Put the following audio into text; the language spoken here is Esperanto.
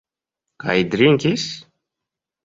Kaj drinkis?